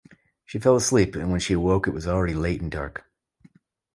She fell asleep, and when she awoke it was already late and dark.